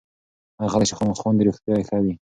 هغه خلک چې خاندي، روغتیا یې ښه وي.